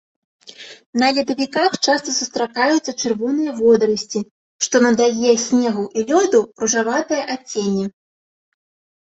На ледавіках часта сустракаюцца чырвоныя водарасці, што надае снегу і лёду ружаватае адценне.